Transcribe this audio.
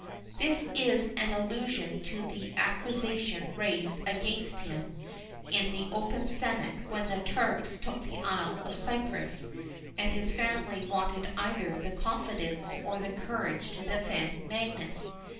This is an allusion to the accusation raised against him in the open senate when the Turks took the Isle of Cyprus, and his family wanted either the confidence or the courage to defend Magius.